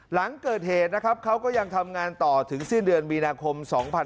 หลังเกิดเหตุนะครับเขาก็ยังทำงานต่อถึงสิ้นเดือนมีนาคม๒๕๖๒